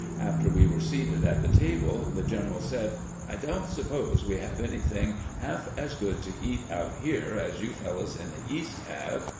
After we were seated at the table the gen eral said: "I don't suppose we have anything half as 292 CAMPAIGNING WITH GRANT good to eat out here as you fellows in the East have.